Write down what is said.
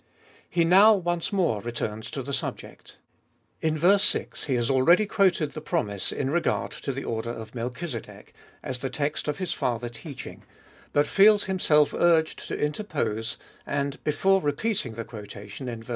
He now once more returns to the subject. In ver. 6 he has already quoted the promise in regard to the order of Melchizedek, as the text of his farther teaching, but feels himself urged to interpose, and before repeating the quotation in ver.